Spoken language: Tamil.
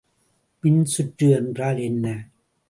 மின்சுற்று என்றால் என்ன?